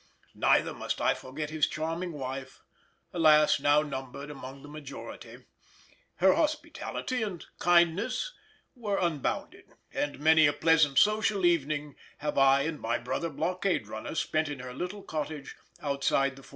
Neither must I forget his charming wife (alas, now numbered among the majority); her hospitality and kindness were unbounded, and many a pleasant social evening have I and my brother blockade runners spent in her little cottage outside the fort.